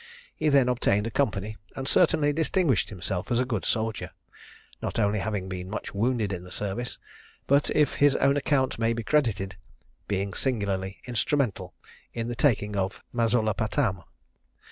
He then obtained a company, and certainly distinguished himself as a good soldier, not only having been much wounded in the service, but, if his own account may be credited, being singularly instrumental to the taking of Mazulapatam.